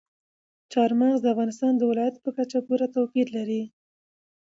چار مغز د افغانستان د ولایاتو په کچه پوره توپیر لري.